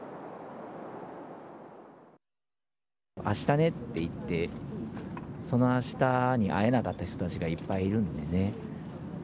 あしたねって言って、そのあしたに会えなかった人たちがいっぱいいるんでね。